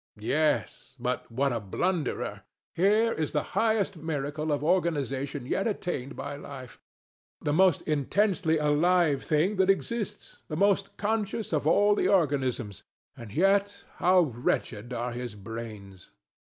Yes: but what a blunderer! Here is the highest miracle of organization yet attained by life, the most intensely alive thing that exists, the most conscious of all the organisms; and yet, how wretched are his brains!